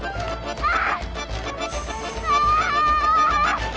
ああ！